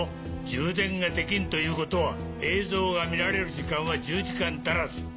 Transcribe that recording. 充電ができんということは映像が見られる時間は１０時間足らず。